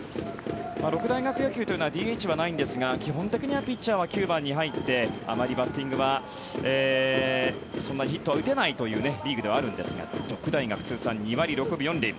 六大学野球というのはＤＨはないんですが基本的にはピッチャーは９番に入ってあまりバッティングはそんなにヒットは打てないというリーグではあるんですが六大学通算２割６分４厘。